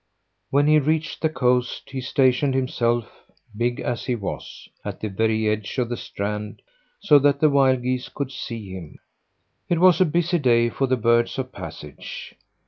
When he reached the coast he stationed himself, big as he was, at the very edge of the strand, so that the wild geese could see him. It was a busy day for the birds of passage.